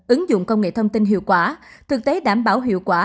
ứng dụng công nghệ thông tin hiệu quả thực tế đảm bảo hiệu quả